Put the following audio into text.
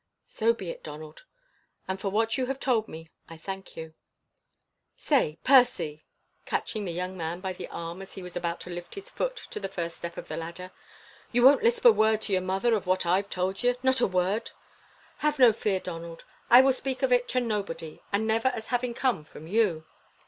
"So be it, Donald, and for what you have told me I thank you." "Say! Percy!" catching the young man by the arm as he was about to lift his foot to the first step of the ladder, "you won't lisp a word to your mother of what I've told ye not a word!" "Have no fear, Donald. I will speak of it to nobody, and never as having come from you."